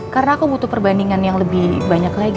karena aku butuh perbandingan yang lebih banyak lagi